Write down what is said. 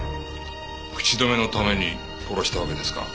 口止めのために殺したわけですか？